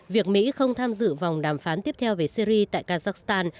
việc mỹ không tham dự vòng đàm phán tiếp theo về syri tại kazakhstan